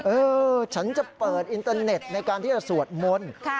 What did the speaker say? เออฉันจะเปิดอินเตอร์เน็ตในการที่จะสวดมนต์